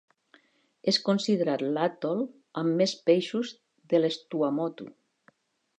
És considerat l'atol amb més peixos de les Tuamotu.